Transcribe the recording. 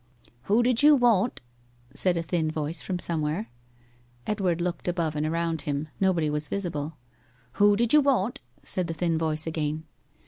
'Who did you woant?' said a thin voice from somewhere. Edward looked above and around him; nobody was visible. 'Who did you woant?' said the thin voice again.